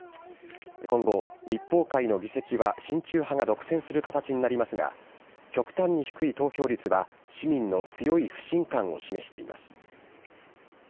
今後、立法会の議席は親中派が独占する形になりますが、極端に低い投票率は、市民の強い不信感を示しています。